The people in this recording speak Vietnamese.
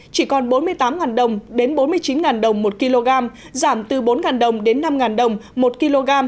chỉ còn bốn mươi tám đồng đến bốn mươi chín đồng một kg giảm từ bốn đồng đến năm đồng một kg